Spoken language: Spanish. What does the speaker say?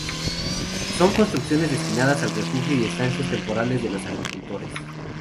Son construcciones destinadas al refugio y estancias temporales de los agricultores.